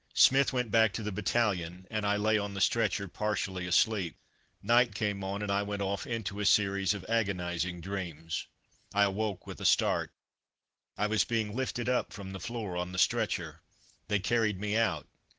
Smith went back to the battalion, and I lay on the stretcher, partially asleep. Night came on and I went off into a series of agonizing dreams. I awoke with a start. I was being lifted up from the floor on the stretcher. They carried me out.